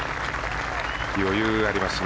余裕がありますね